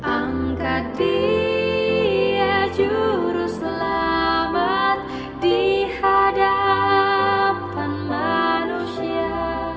angkat dia jurus selamat di hadapan manusia